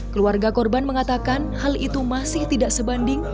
keluarga korban mengatakan hal itu masih tidak sebanding